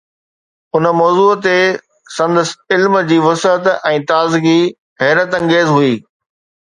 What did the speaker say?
ان موضوع تي سندس علم جي وسعت ۽ تازگي حيرت انگيز هئي.